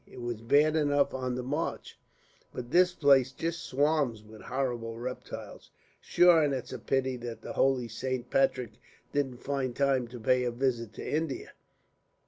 It was bad enough on the march, but this place just swarms with horrible reptiles. Shure an' it's a pity that the holy Saint Patrick didn't find time to pay a visit to India.